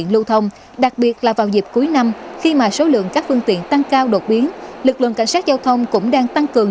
lực lượng cảnh sát giao thông cũng đang tăng cường